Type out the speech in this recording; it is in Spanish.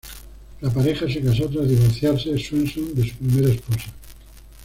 La pareja se casó tras divorciarse Swenson de su primera esposa.